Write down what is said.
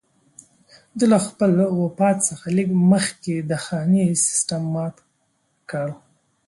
ده له خپل وفات څخه لږ مخکې د خاني سېسټم مات کړ.